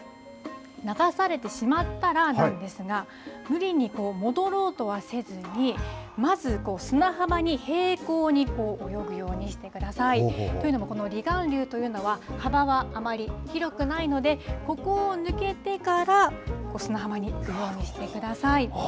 流されてしまったらなんですが無理に戻ろうとはせずにまず砂浜に平行に泳ぐようにしてください。というのもこの離岸流というのは幅はあまり広くないのでここを抜けてから砂浜に行くようにしてください。